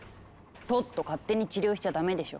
トット勝手に治療しちゃダメでしょ。